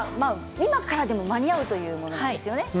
今からでも間に合うということですよね。